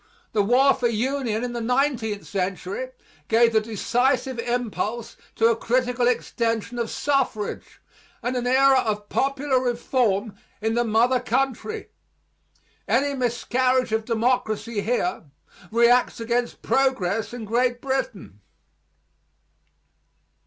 The War for Union in the nineteenth century gave the decisive impulse to a critical extension of suffrage, and an era of popular reform in the mother country. Any miscarriage of democracy here reacts against progress in Great Britain.